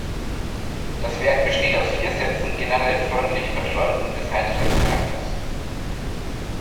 Das Werk besteht aus vier Sätzen generell freundlich-verträumten bis heiteren Charakters.